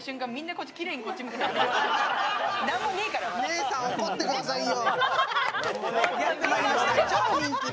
姉さん、怒ってくださいよ。